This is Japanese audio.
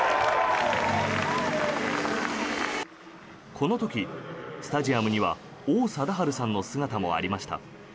この時、スタジアムには王貞治さんの姿もありました。